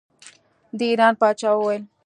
د ایران پاچا وویل.